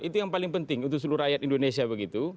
itu yang paling penting untuk seluruh rakyat indonesia begitu